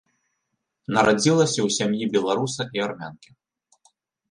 Нарадзілася ў сям'і беларуса і армянкі.